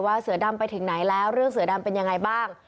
เสือดำไปถึงไหนแล้วเรื่องเสือดำเป็นยังไงบ้าง